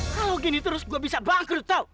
kalau gini terus gue bisa bangkrut tau